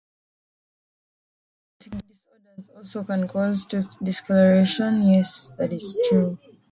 Systemic disorders also can cause tooth discoloration.